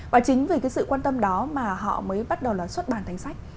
và chính vì cái sự quan tâm đó mà họ mới bắt đầu là xuất bản thành sách